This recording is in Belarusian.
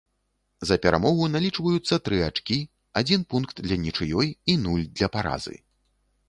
За перамогу налічваюцца тры ачкі, адзін пункт для нічыёй і нуль для паразы.